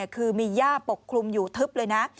คือมีย่าปกคลุมอยู่ทึบเลยนะ